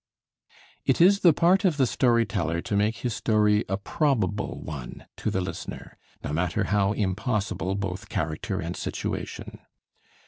It is the part of the story teller to make his story a probable one to the listener, no matter how impossible both character and situation.